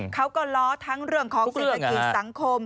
เขาก็ล้อเรื่องของศิษย์สังคม